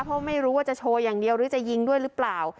เพราะไม่รู้ว่าจะโชว์อย่างเดียวหรือจะยิงด้วยหรือเปล่า